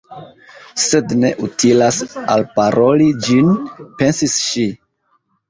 "Sed ne utilas alparoli ĝin," pensis ŝi.